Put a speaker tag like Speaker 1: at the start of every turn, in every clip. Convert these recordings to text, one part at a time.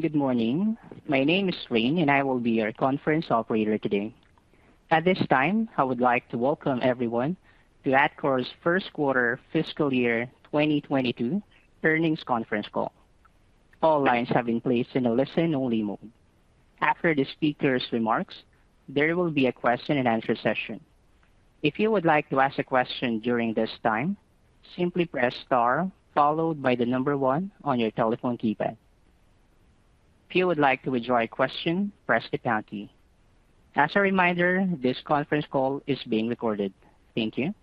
Speaker 1: Good morning. My name is Rene, and I will be your conference operator today. At this time, I would like to welcome everyone to Atkore's first quarter fiscal year 2022 earnings conference call. All lines have been placed in a listen-only mode. After the speakers' remarks, there will be a question-and-answer session. If you would like to ask a question during this time, simply press Star followed by the number one on your telephone keypad. If you would like to withdraw a question, press the pound key. As a reminder, this conference call is being recorded. Thank you.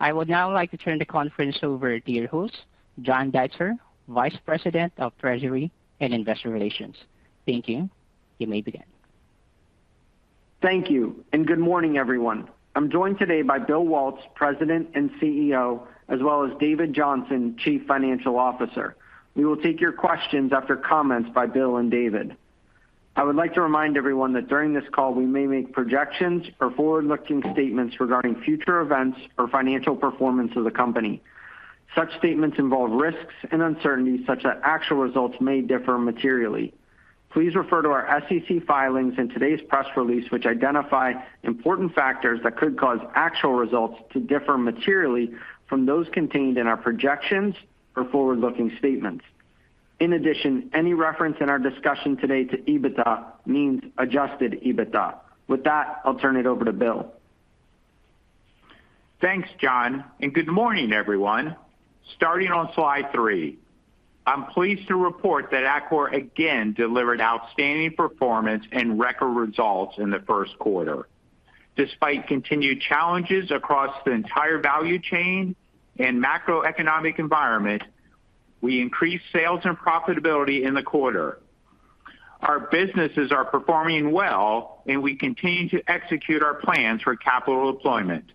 Speaker 1: I would now like to turn the conference over to your host, John Deitzer, Vice President of Treasury and Investor Relations. Thank you. You may begin.
Speaker 2: Thank you, and good morning, everyone. I'm joined today by Bill Waltz, President and CEO, as well as David Johnson, Chief Financial Officer. We will take your questions after comments by Bill and David. I would like to remind everyone that during this call, we may make projections or forward-looking statements regarding future events or financial performance of the company. Such statements involve risks and uncertainties such that actual results may differ materially. Please refer to our SEC filings and today's press release, which identify important factors that could cause actual results to differ materially from those contained in our projections or forward-looking statements. In addition, any reference in our discussion today to EBITDA means adjusted EBITDA. With that, I'll turn it over to Bill.
Speaker 3: Thanks, John, and good morning, everyone. Starting on slide three, I'm pleased to report that Atkore again delivered outstanding performance and record results in the first quarter. Despite continued challenges across the entire value chain and macroeconomic environment, we increased sales and profitability in the quarter. Our businesses are performing well, and we continue to execute our plans for capital deployment.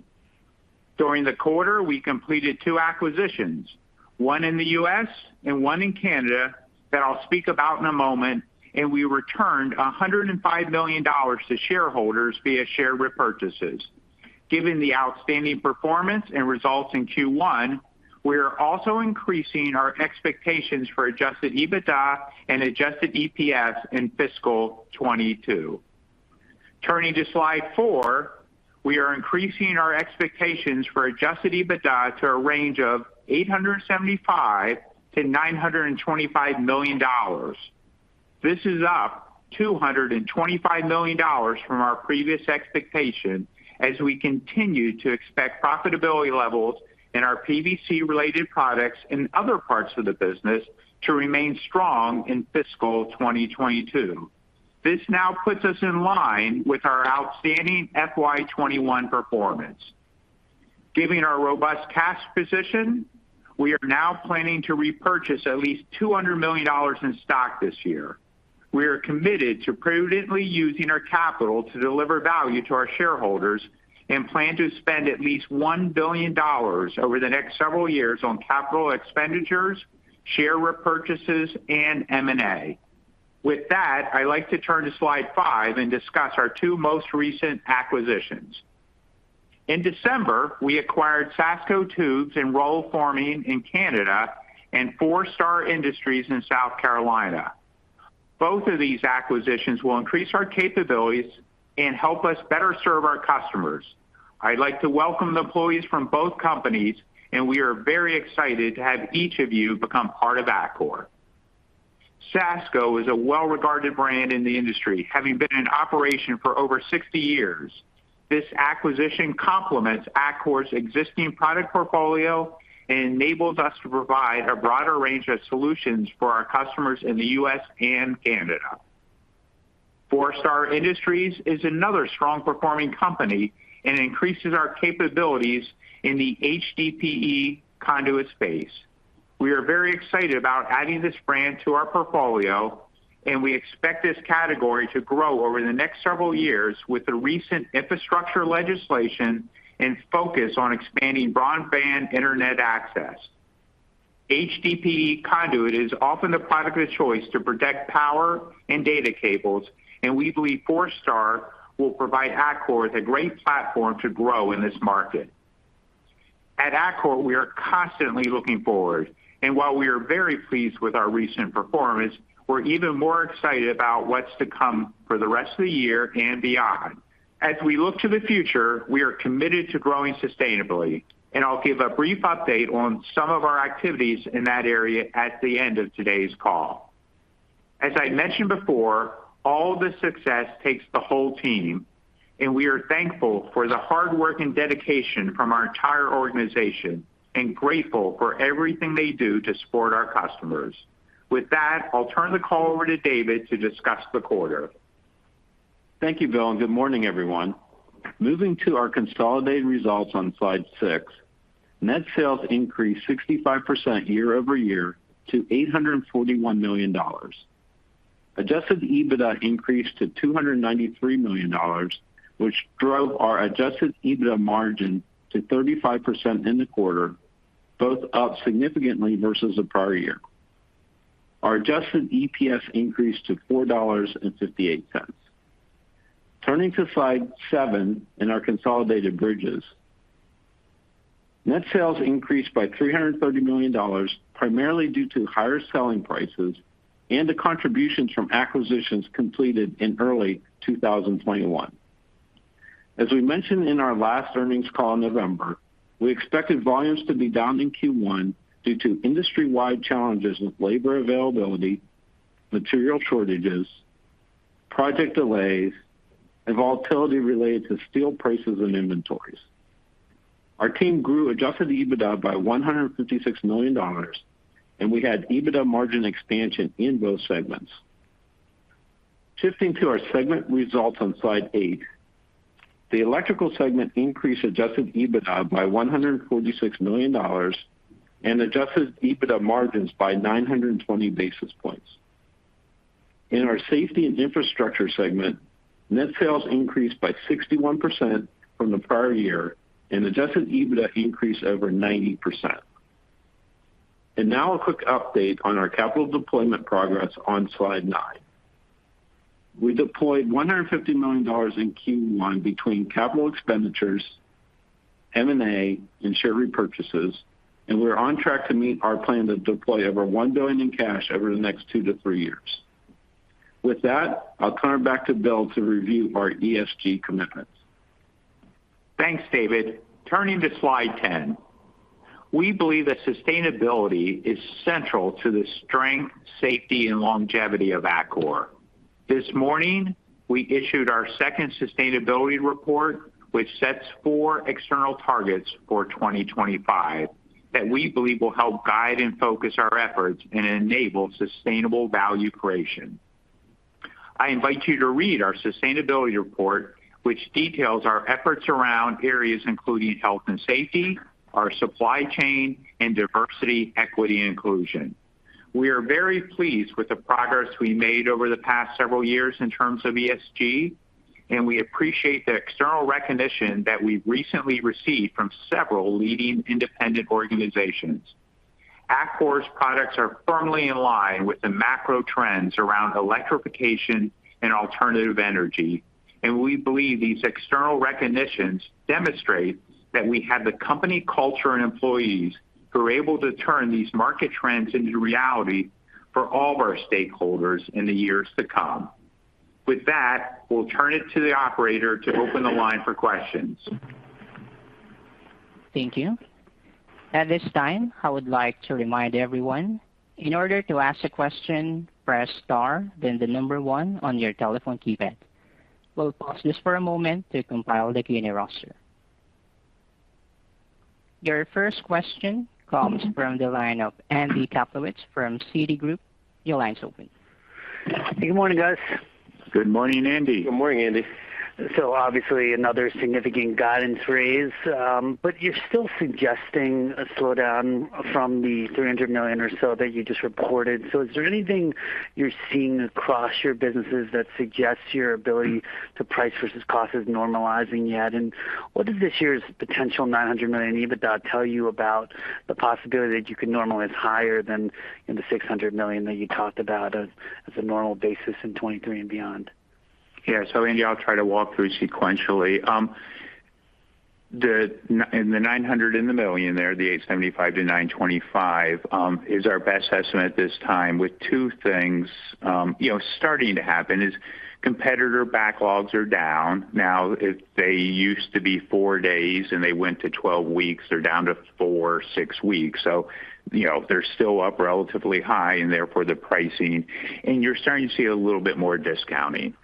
Speaker 3: During the quarter, we completed two acquisitions, one in the U.S. and one in Canada, that I'll speak about in a moment, and we returned $105 million to shareholders via share repurchases. Given the outstanding performance and results in Q1, we are also increasing our expectations for adjusted EBITDA and adjusted EPS in fiscal 2022. Turning to slide four, we are increasing our expectations for adjusted EBITDA to a range of $875 million-$925 million. This is up $225 million from our previous expectation as we continue to expect profitability levels in our PVC-related products and other parts of the business to remain strong in fiscal 2022. This now puts us in line with our outstanding FY 2021 performance. Given our robust cash position, we are now planning to repurchase at least $200 million in stock this year. We are committed to prudently using our capital to deliver value to our shareholders and plan to spend at least $1 billion over the next several years on capital expenditures, share repurchases, and M&A. With that, I like to turn to slide five and discuss our two most recent acquisitions. In December, we acquired Sasco Tubes and Roll Forming in Canada and Four Star Industries in South Carolina. Both of these acquisitions will increase our capabilities and help us better serve our customers. I'd like to welcome the employees from both companies, and we are very excited to have each of you become part of Atkore. Sasco is a well-regarded brand in the industry, having been in operation for over 60 years. This acquisition complements Atkore's existing product portfolio and enables us to provide a broader range of solutions for our customers in the U.S. and Canada. Four Star Industries is another strong-performing company and increases our capabilities in the HDPE conduit space. We are very excited about adding this brand to our portfolio, and we expect this category to grow over the next several years with the recent infrastructure legislation and focus on expanding broadband internet access. HDPE conduit is often the product of choice to protect power and data cables, and we believe Four Star will provide Atkore with a great platform to grow in this market. At Atkore, we are constantly looking forward, and while we are very pleased with our recent performance, we're even more excited about what's to come for the rest of the year and beyond. As we look to the future, we are committed to growing sustainably, and I'll give a brief update on some of our activities in that area at the end of today's call. As I mentioned before, all this success takes the whole team, and we are thankful for the hard work and dedication from our entire organization and grateful for everything they do to support our customers. With that, I'll turn the call over to David to discuss the quarter.
Speaker 4: Thank you, Bill, and good morning, everyone. Moving to our consolidated results on slide six. Net sales increased 65% year-over-year to $841 million. Adjusted EBITDA increased to $293 million, which drove our adjusted EBITDA margin to 35% in the quarter, both up significantly versus the prior year. Our adjusted EPS increased to $4.58. Turning to slide seven in our consolidated bridges. Net sales increased by $330 million, primarily due to higher selling prices and the contributions from acquisitions completed in early 2021. As we mentioned in our last earnings call in November, we expected volumes to be down in Q1 due to industry-wide challenges with labor availability, material shortages, project delays, and volatility related to steel prices and inventories. Our team grew adjusted EBITDA by $156 million, and we had EBITDA margin expansion in both segments. Shifting to our segment results on slide 8. The Electrical segment increased adjusted EBITDA by $146 million and adjusted EBITDA margins by 920 basis points. In our Safety and Infrastructure segment, net sales increased by 61% from the prior year and adjusted EBITDA increased over 90%. Now a quick update on our capital deployment progress on slide 9. We deployed $150 million in Q1 between capital expenditures, M&A, and share repurchases, and we're on track to meet our plan to deploy over $1 billion in cash over the next two to three years. With that, I'll turn it back to Bill to review our ESG commitments.
Speaker 3: Thanks, David. Turning to slide 10. We believe that sustainability is central to the strength, safety, and longevity of Atkore. This morning, we issued our second sustainability report, which sets four external targets for 2025 that we believe will help guide and focus our efforts and enable sustainable value creation. I invite you to read our sustainability report, which details our efforts around areas including health and safety, our supply chain, and diversity, equity, and inclusion. We are very pleased with the progress we made over the past several years in terms of ESG, and we appreciate the external recognition that we've recently received from several leading independent organizations. Atkore's products are firmly in line with the macro trends around electrification and alternative energy, and we believe these external recognitions demonstrate that we have the company culture and employees who are able to turn these market trends into reality for all of our stakeholders in the years to come. With that, we'll turn it to the operator to open the line for questions.
Speaker 1: Thank you. At this time, I would like to remind everyone, in order to ask a question, press star, then the number 1 on your telephone keypad. We'll pause just for a moment to compile the Q&A roster. Your first question comes from the line of Andy Kaplowitz from Citigroup. Your line's open.
Speaker 5: Good morning, guys.
Speaker 3: Good morning, Andy.
Speaker 4: Good morning, Andy.
Speaker 5: Obviously another significant guidance raise, but you're still suggesting a slowdown from the $300 million or so that you just reported. Is there anything you're seeing across your businesses that suggests your ability to price versus cost is normalizing yet? And what does this year's potential $900 million EBITDA tell you about the possibility that you could normalize higher than in the $600 million that you talked about as a normal basis in 2023 and beyond?
Speaker 3: Yeah. Andy, I'll try to walk through sequentially. The nine hundred million there, the $875 million-$925 million, is our best estimate at this time with two things you know starting to happen. Competitor backlogs are down. Now if they used to be 4 days and they went to 12 weeks, they're down to 4-6 weeks. You know, they're still up relatively high and therefore the pricing, and you're starting to see a little bit more discounting.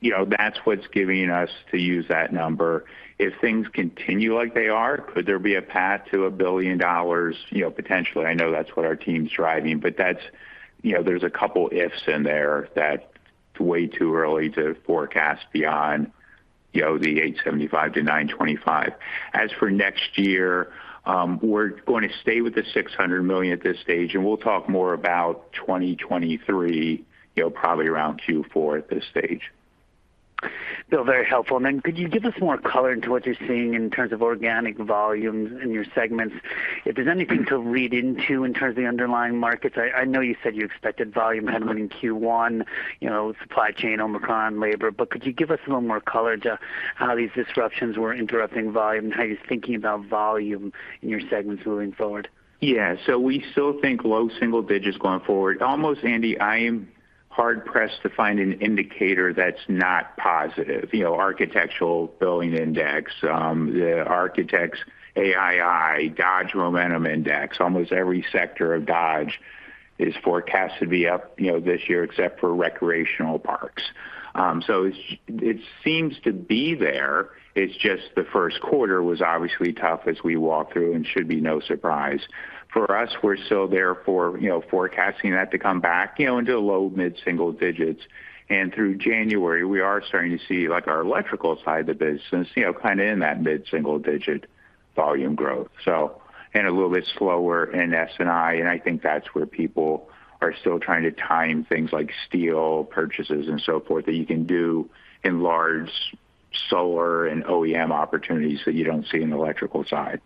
Speaker 3: You know, that's what's causing us to use that number. If things continue like they are, could there be a path to $1 billion? You know, potentially. I know that's what our team's driving, but that's, you know, there's a couple ifs in there that it's way too early to forecast beyond, you know, the $875-$925. As for next year, we're going to stay with the $600 million at this stage, and we'll talk more about 2023, you know, probably around Q4 at this stage.
Speaker 5: Bill, very helpful. Could you give us more color into what you're seeing in terms of organic volumes in your segments? If there's anything to read into in terms of the underlying markets? I know you said you expected volume headwind in Q1, you know, supply chain, Omicron, labor, but could you give us a little more color to how these disruptions were interrupting volume and how you're thinking about volume in your segments moving forward?
Speaker 3: Yeah. We still think low single digits going forward. Almost, Andy, I am hard pressed to find an indicator that's not positive. You know, Architecture Billings Index, the architects ABI, Dodge Momentum Index. Almost every sector of Dodge is forecast to be up, you know, this year except for recreational parks. It seems to be there. It's just the first quarter was obviously tough as we walk through and should be no surprise. For us, we're still therefore, you know, forecasting that to come back, you know, into the low mid-single digits. Through January, we are starting to see like our electrical side of the business, you know, kind of in that mid-single digit volume growth. a little bit slower in S&I, and I think that's where people are still trying to time things like steel purchases and so forth that you can do in large solar and OEM opportunities that you don't see in the electrical side.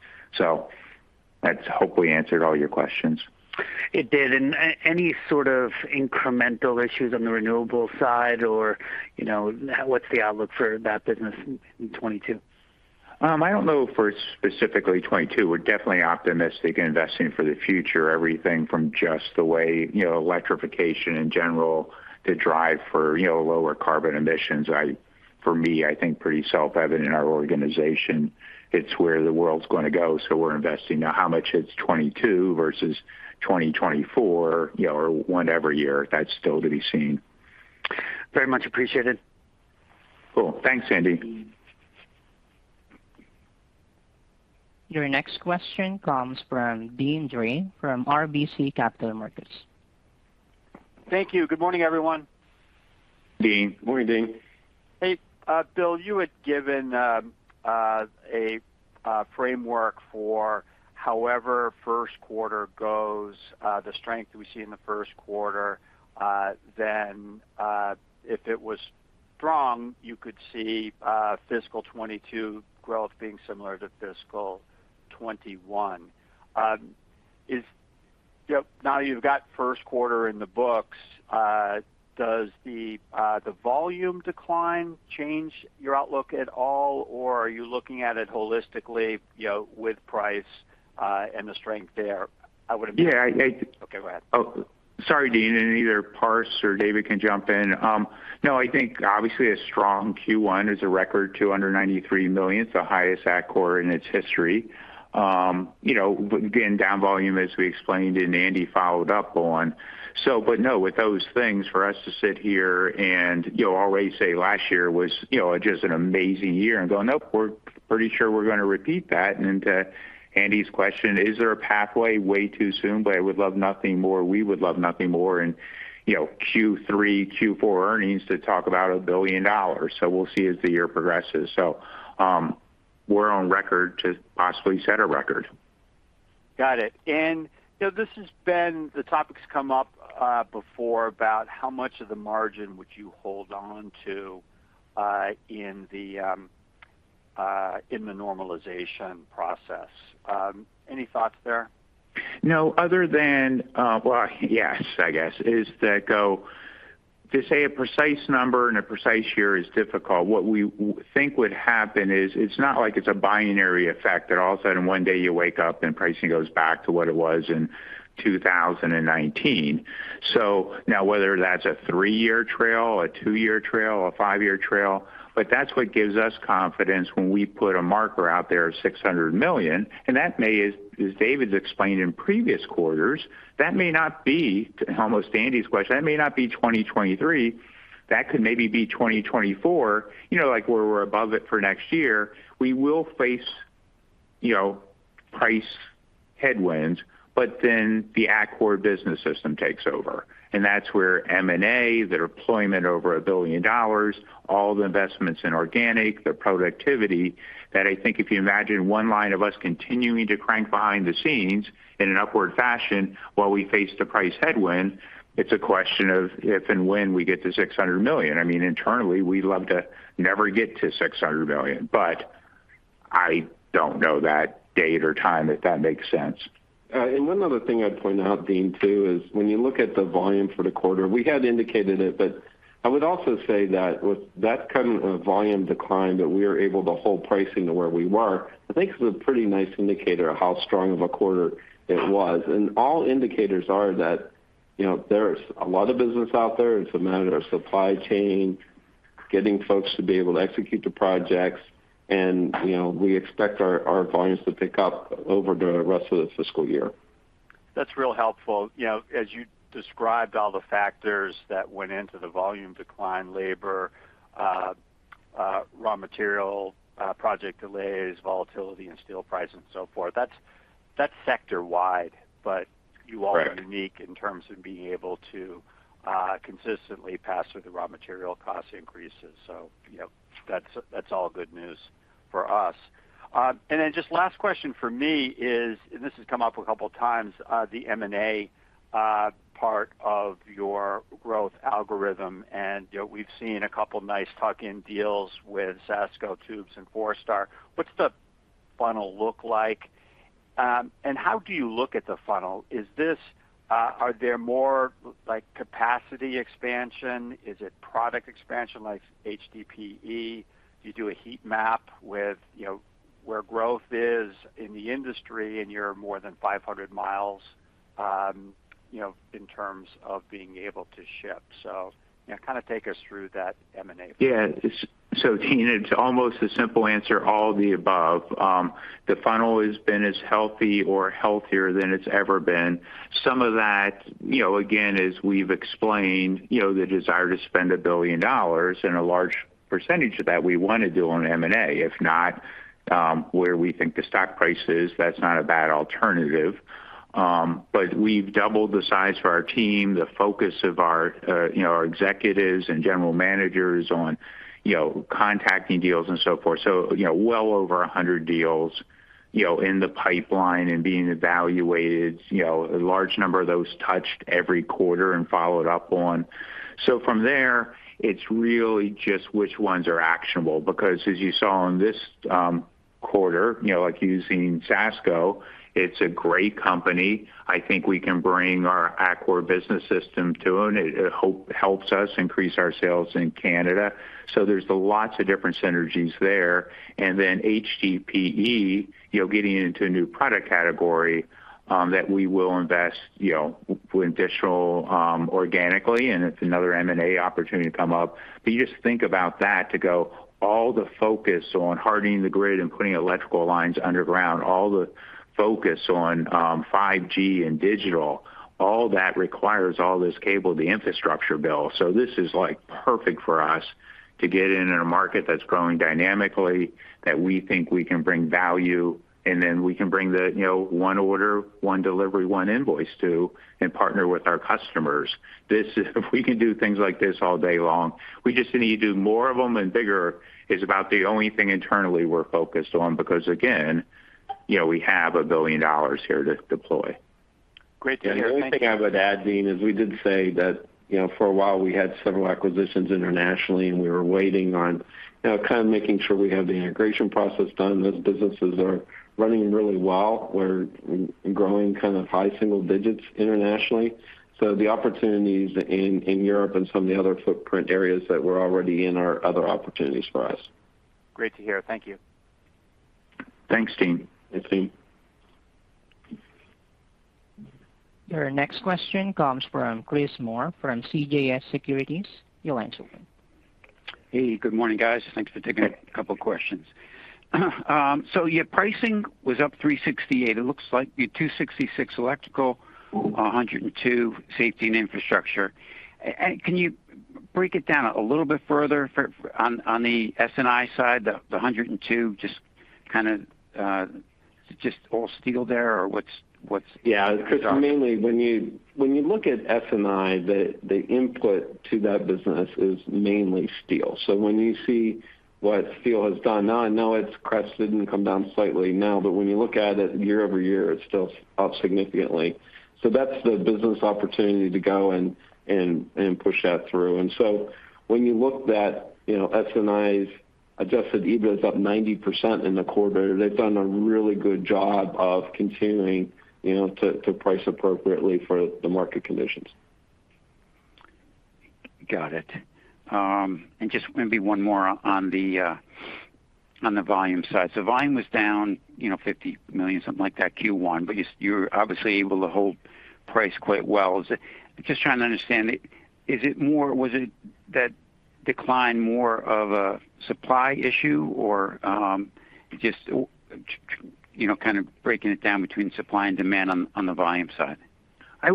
Speaker 3: That hopefully answered all your questions.
Speaker 5: It did. Any sort of incremental issues on the renewables side or, you know, what's the outlook for that business in 2022?
Speaker 3: I don't know for specifically 2022. We're definitely optimistic in investing for the future. Everything from just the way, you know, electrification in general to drive for, you know, lower carbon emissions. For me, I think pretty self-evident in our organization. It's where the world's gonna go, so we're investing. Now, how much it's 2022 versus 2024, you know, or whatever year, that's still to be seen.
Speaker 5: Very much appreciated.
Speaker 3: Cool. Thanks, Andy.
Speaker 1: Your next question comes from Deane Dray from RBC Capital Markets.
Speaker 6: Thank you. Good morning, everyone.
Speaker 3: Deane. Morning, Deane.
Speaker 6: Hey, Bill, you had given a framework for how the first quarter goes, the strength we see in the first quarter, then if it was strong, you could see fiscal 2022 growth being similar to fiscal 2021. Now you've got first quarter in the books, does the volume decline change your outlook at all, or are you looking at it holistically, you know, with price and the strength there? I would imagine.
Speaker 3: Yeah.
Speaker 6: Okay, go ahead.
Speaker 3: Oh, sorry, Deane. Either Pars or David can jump in. No, I think obviously a strong Q1 is a record $293 million. It's the highest ever in its history. You know, again, down volume, as we explained and Andy followed up on. No, with those things, for us to sit here and, you know, already say last year was, you know, just an amazing year and going, "Nope, we're pretty sure we're gonna repeat that." To Andy's question, is there a path? Way too soon. I would love nothing more. We would love nothing more in, you know, Q3, Q4 earnings to talk about $1 billion. We'll see as the year progresses. We're on record to possibly set a record.
Speaker 6: Got it. You know, this has been the topic's come up before about how much of the margin would you hold on to in the normalization process. Any thoughts there?
Speaker 3: No, other than well, yes, I guess, to say a precise number and a precise year is difficult. What we think would happen is it's not like it's a binary effect that all of a sudden one day you wake up and pricing goes back to what it was in 2019. Whether that's a 3-year trail, a 2-year trail, a 5-year trail, but that's what gives us confidence when we put a marker out there of $600 million. That may, as David's explained in previous quarters, that may not be, almost Andy's question, that may not be 2023. That could maybe be 2024, you know, like, where we're above it for next year. We will face, you know, price headwinds, but then the Atkore Business System takes over, and that's where M&A, the deployment over $1 billion, all the investments in organic, the productivity that I think if you imagine one line of us continuing to crank behind the scenes in an upward fashion while we face the price headwind, it's a question of if and when we get to $600 million. I mean, internally, we'd love to never get to $600 million, but I don't know that date or time, if that makes sense.
Speaker 4: One other thing I'd point out, Deane, too, is when you look at the volume for the quarter, we had indicated it, but I would also say that with that kind of volume decline, that we are able to hold pricing to where we were, I think is a pretty nice indicator of how strong of a quarter it was. All indicators are that, you know, there's a lot of business out there. It's a matter of supply chain, getting folks to be able to execute the projects and, you know, we expect our volumes to pick up over the rest of the fiscal year.
Speaker 6: That's real helpful. You know, as you described all the factors that went into the volume decline, labor, raw material, project delays, volatility in steel price and so forth, that's sector-wide. But you all-
Speaker 3: Right
Speaker 6: are unique in terms of being able to consistently pass through the raw material cost increases. You know, that's all good news for us. Just last question from me is, and this has come up a couple of times, the M&A part of your growth algorithm. You know, we've seen a couple nice tuck-in deals with Sasco Tubes and Fo. What's the funnel look like, and how do you look at the funnel? Are there more, like, capacity expansion? Is it product expansion like HDPE? Do you do a heat map with, you know, where growth is in the industry and you're more than 500 miles, you know, in terms of being able to ship? Yeah, kind of take us through that M&A.
Speaker 3: Yeah. Deane, it's almost a simple answer, all of the above. The funnel has been as healthy or healthier than it's ever been. Some of that, you know, again, as we've explained, you know, the desire to spend $1 billion and a large percentage of that we want to do on M&A. If not, where we think the stock price is, that's not a bad alternative. We've doubled the size of our team, the focus of our, you know, our executives and general managers on, you know, contacting deals and so forth. You know, well over 100 deals, you know, in the pipeline and being evaluated. You know, a large number of those touched every quarter and followed up on. From there, it's really just which ones are actionable because as you saw in this quarter, you know, like using Sasco, it's a great company. I think we can bring our ABS business system to own it. It helps us increase our sales in Canada. There's lots of different synergies there, and then HDPE, you know, getting into a new product category that we will invest, you know, with digital organically, and it's another M&A opportunity to come up. You just think about that, too. All the focus on hardening the grid and putting electrical lines underground, all the focus on 5G and digital, all that requires all this cable, the infrastructure build. This is, like, perfect for us to get in a market that's growing dynamically that we think we can bring value, and then we can bring the, you know, one order, one delivery, one invoice to and partner with our customers. This is. If we can do things like this all day long, we just need to do more of them and bigger is about the only thing internally we're focused on because, again, you know, we have $1 billion here to deploy.
Speaker 6: Great to hear. Thank you.
Speaker 3: The only thing I would add, Deane, is we did say that, you know, for a while, we had several acquisitions internationally, and we were waiting on, you know, kind of making sure we have the integration process done. Those businesses are running really well. We're growing kind of high single digits internationally. The opportunities in Europe and some of the other footprint areas that we're already in are other opportunities for us.
Speaker 6: Great to hear. Thank you.
Speaker 3: Thanks, Deane.
Speaker 4: Thanks, Deane.
Speaker 1: Your next question comes from Chris Moore from CJS Securities. Your line's open.
Speaker 7: Hey, good morning, guys. Thanks for taking a couple of questions. So your pricing was up 368. It looks like your 266 electrical, 102 Safety & Infrastructure. Can you break it down a little bit further on the S&I side, the 102, just kind of just all steel there or what's
Speaker 3: Yeah. Chris, mainly, when you look at S&I, the input to that business is mainly steel. When you see what steel has done, now I know it's crested and come down slightly now, but when you look at it year-over-year, it's still up significantly. That's the business opportunity to go and push that through. When you look at that, you know, S&I's adjusted EBIT is up 90% in the quarter. They've done a really good job of continuing, you know, to price appropriately for the market conditions.
Speaker 7: Got it. Just maybe one more on the volume side. Volume was down, you know, $50 million, something like that, Q1, but you're obviously able to hold price quite well. Just trying to understand. Was it that decline more of a supply issue or just you know kind of breaking it down between supply and demand on the volume side?
Speaker 3: As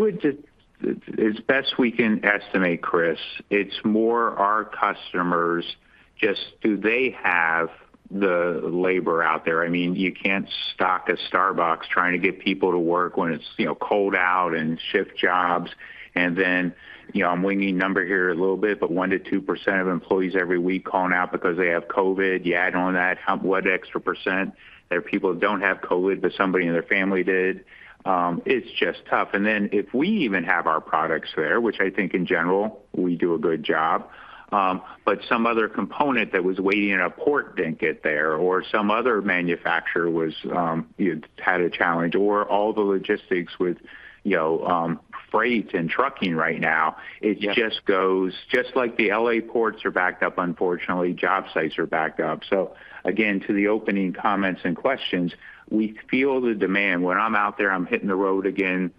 Speaker 3: best we can estimate, Chris, it's more our customers just do they have the labor out there? I mean, you can't staff a Starbucks trying to get people to work when it's, you know, cold out and shift jobs. You know, I'm winging a number here a little bit, but 1%-2% of employees every week calling out because they have COVID. You add on that, what extra percent? There are people who don't have COVID, but somebody in their family did. It's just tough. If we even have our products there, which I think in general we do a good job, but some other component that was waiting in a port didn't get there, or some other manufacturer was, you know, had a challenge, or all the logistics with, you know, freight and trucking right now.
Speaker 7: Yeah.
Speaker 3: It just goes like the L.A. ports are backed up. Unfortunately, job sites are backed up. Again, to the opening comments and questions, we feel the demand. When I'm out there, I'm hitting the road again,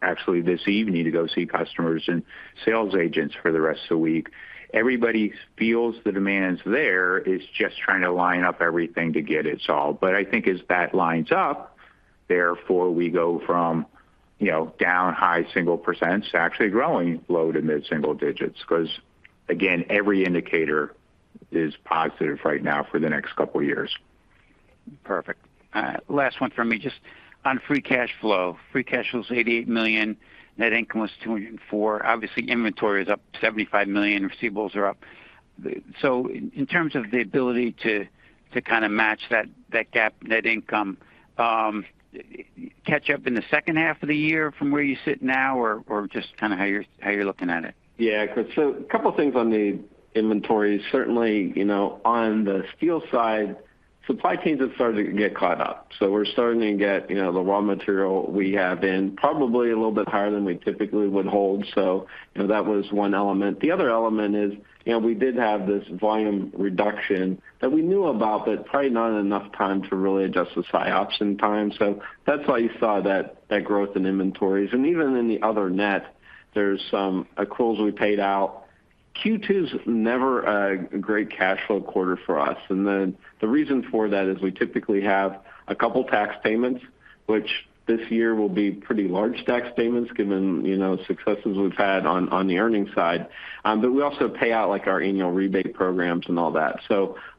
Speaker 3: actually this evening to go see customers and sales agents for the rest of the week. Everybody feels the demand is there. It's just trying to line up everything to get it solved. I think as that lines up, therefore, we go from, you know, down high single-digit % to actually growing low- to mid-single-digit % 'cause, again, every indicator is positive right now for the next couple of years.
Speaker 7: Perfect. Last one for me, just on free cash flow. Free cash flow is $88 million. Net income was $24. Obviously, inventory is up $75 million. Receivables are up. In terms of the ability to kind of match that GAAP net income, catch up in the second half of the year from where you sit now or just kind of how you're looking at it?
Speaker 3: Yeah. Chris, a couple of things on the inventory. Certainly, you know, on the steel side, supply chains have started to get caught up. We're starting to get, you know, the raw material we have in probably a little bit higher than we typically would hold. You know, that was one element. The other element is, you know, we did have this volume reduction that we knew about, but probably not enough time to really adjust the supply ops in time. That's why you saw that growth in inventories. Even in the other end, there's some accruals we paid out. Q2 is never a great cash flow quarter for us. The reason for that is we typically have a couple tax payments, which this year will be pretty large tax payments given, you know, successes we've had on the earnings side. We also pay out, like, our annual rebate programs and all that.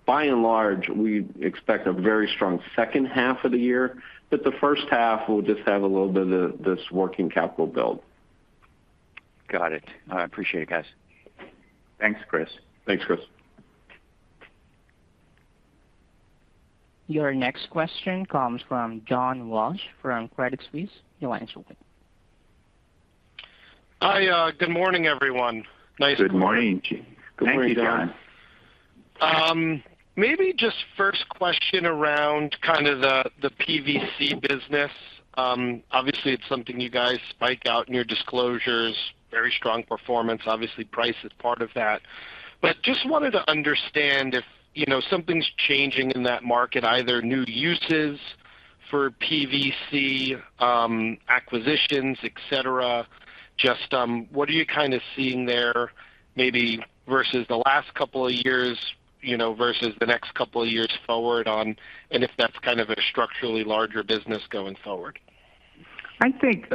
Speaker 3: By and large, we expect a very strong second half of the year, but the first half will just have a little bit of this working capital build.
Speaker 7: Got it. I appreciate it, guys.
Speaker 3: Thanks, Chris.
Speaker 4: Thanks, Chris.
Speaker 1: Your next question comes from John Walsh from Credit Suisse. Your line is open.
Speaker 8: Hi. Good morning, everyone.
Speaker 3: Good morning.
Speaker 4: Good morning, John.
Speaker 8: Maybe just first question around the PVC business. Obviously, it's something you guys call out in your disclosures, very strong performance. Obviously, price is part of that. But just wanted to understand if, you know, something's changing in that market, either new uses for PVC, acquisitions, et cetera. Just, what are you kinda seeing there maybe versus the last couple of years, you know, versus the next couple of years forward on, and if that's kind of a structurally larger business going forward?
Speaker 3: I think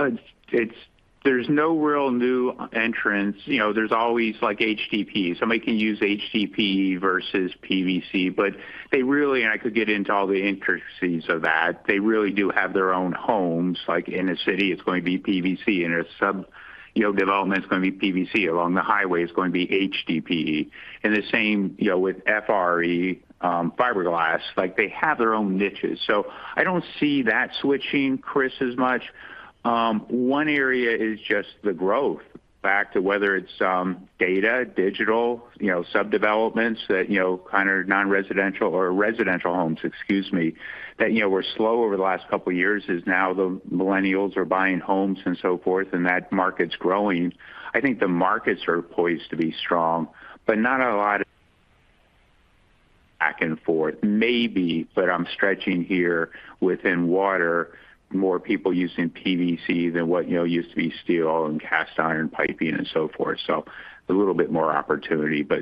Speaker 3: there's no real new entrants. You know, there's always like HDPE. Somebody can use HDPE versus PVC, but they really and I could get into all the intricacies of that. They really do have their own homes. Like in a city, it's going to be PVC, in a suburban, you know, development's gonna be PVC. Along the highway, it's going to be HDPE. The same, you know, with FRE, fiberglass. Like, they have their own niches. I don't see that switching, Chris, as much. One area is just the growth back to whether it's data, digital, you know, suburban developments that, you know, kind of non-residential or residential homes, excuse me, that, you know, were slow over the last couple of years is now the millennials are buying homes and so forth, and that market's growing. I think the markets are poised to be strong, but not a lot back and forth. Maybe, but I'm stretching here within water, more people using PVC than what, you know, used to be steel and cast iron piping and so forth. A little bit more opportunity, but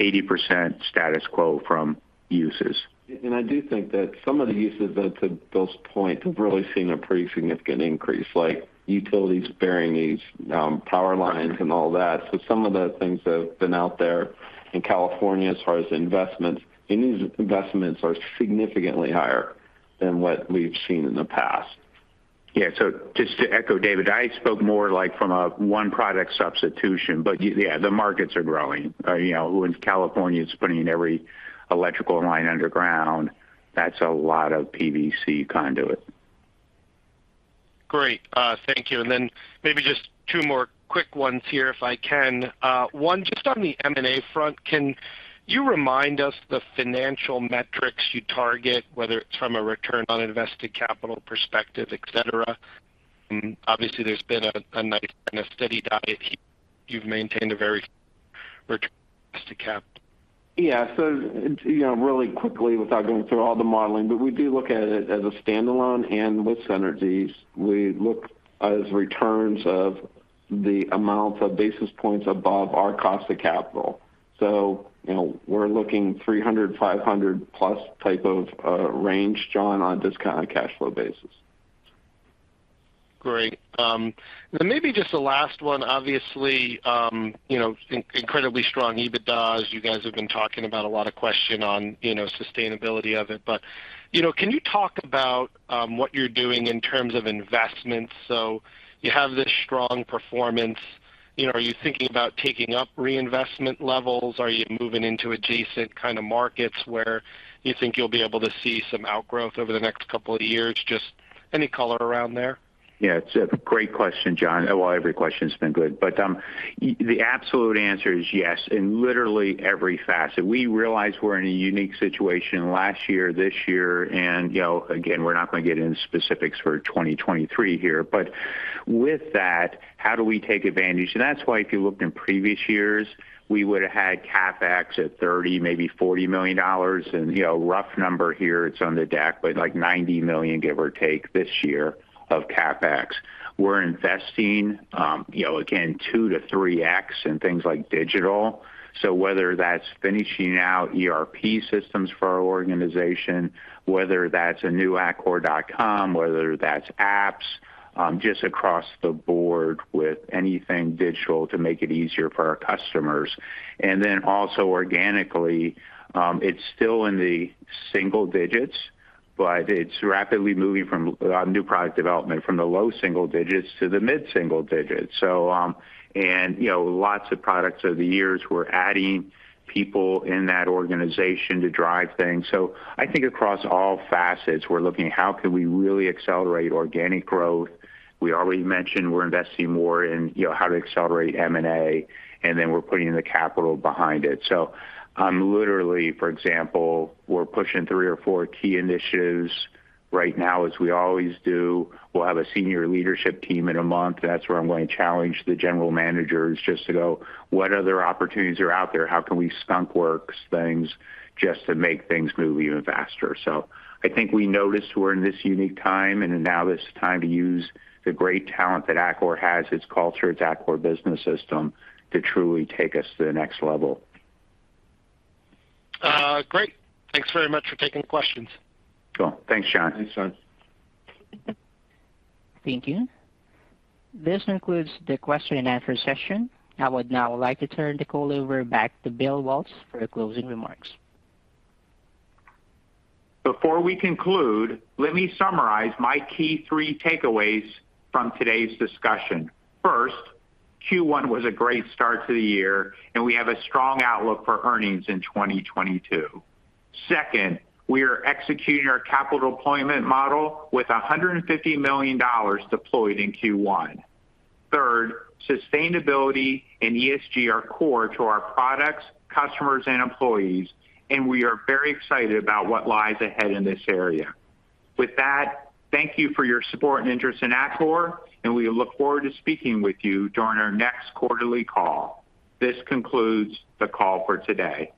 Speaker 3: 80% status quo from uses.
Speaker 4: I do think that some of the uses, to Bill's point, have really seen a pretty significant increase, like utilities burying these, power lines and all that. Some of the things that have been out there in California as far as investments, and these investments are significantly higher than what we've seen in the past.
Speaker 3: Yeah. Just to echo David, I spoke more like from a one product substitution. Yeah, the markets are growing. You know, with California's putting every electrical line underground, that's a lot of PVC conduit.
Speaker 8: Great. Thank you. Maybe just two more quick ones here if I can. One, just on the M&A front, can you remind us the financial metrics you target, whether it's from a return on invested capital perspective, et cetera? Obviously, there's been a nice kind of steady diet here. You've maintained a very return on invested capital.
Speaker 4: Yeah. You know, really quickly without going through all the modeling, but we do look at it as a standalone and with synergies. We look at returns in the amount of basis points above our cost of capital. You know, we're looking at 300-500+ type of range, John, on this kind of cash flow basis.
Speaker 8: Great. Maybe just the last one, obviously, you know, incredibly strong EBITDA, as you guys have been talking about. A lot of question on, you know, sustainability of it. You know, can you talk about what you're doing in terms of investments? You have this strong performance, you know. Are you thinking about taking up reinvestment levels? Are you moving into adjacent kind of markets where you think you'll be able to see some outgrowth over the next couple of years? Just any color around there.
Speaker 3: Yeah, it's a great question, John. Well, every question's been good. The absolute answer is yes in literally every facet. We realize we're in a unique situation last year, this year, and, you know, again, we're not gonna get into specifics for 2023 here. With that, how do we take advantage? That's why if you looked in previous years, we would have had CapEx at $30 million, maybe $40 million. You know, rough number here, it's on the deck, but like $90 million, give or take this year of CapEx. We're investing, you know, again, 2 to 3x in things like digital. Whether that's finishing out ERP systems for our organization, whether that's a new atkore.com, whether that's apps, just across the board with anything digital to make it easier for our customers. Also organically, it's still in the single digits, but it's rapidly moving from new product development from the low single digits to the mid single digits. You know, lots of products over the years, we're adding people in that organization to drive things. I think across all facets, we're looking at how can we really accelerate organic growth. We already mentioned we're investing more in, you know, how to accelerate M&A, and then we're putting the capital behind it. Literally, for example, we're pushing 3 or 4 key initiatives right now as we always do. We'll have a senior leadership team in a month. That's where I'm going to challenge the general managers just to go, "What other opportunities are out there? How can we skunk works things just to make things move even faster?" I think we notice we're in this unique time, and now it's time to use the great talent that Atkore has, its culture, its Atkore Business System to truly take us to the next level.
Speaker 8: Great. Thanks very much for taking the questions.
Speaker 3: Cool. Thanks, John.
Speaker 4: Thanks, John.
Speaker 1: Thank you. This concludes the question and answer session. I would now like to turn the call over back to Bill Waltz for closing remarks.
Speaker 3: Before we conclude, let me summarize my key three takeaways from today's discussion. First, Q1 was a great start to the year, and we have a strong outlook for earnings in 2022. Second, we are executing our capital deployment model with $150 million deployed in Q1. Third, sustainability and ESG are core to our products, customers, and employees, and we are very excited about what lies ahead in this area. With that, thank you for your support and interest in Atkore, and we look forward to speaking with you during our next quarterly call. This concludes the call for today.